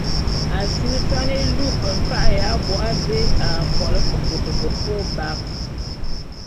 A asimesan e luu ve mfa’a y abo abé a kolé fe bôt befe ôbak.